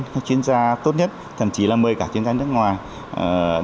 các chuyên gia tốt nhất thậm chí là mời cả chuyên gia nước ngoài